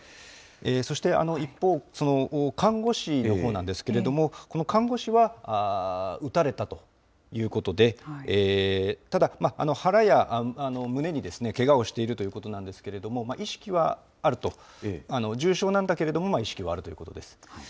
そして、一方、その看護師のほうなんですけれども、この看護師は撃たれたということで、ただ、腹や胸にけがをしているということなんですけれども、意識はあると、重傷なんだけれども、意識はあるということです。